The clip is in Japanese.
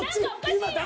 今誰？